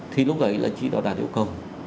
thì lúc ấy là trí đó đạt được không